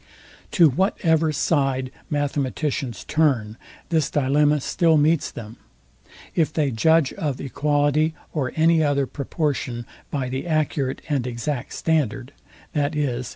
To whatever side mathematicians turn, this dilemma still meets them. If they judge of equality, or any other proportion, by the accurate and exact standard, viz.